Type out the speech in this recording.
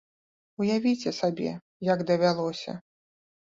Уявіце сабе, як давялося!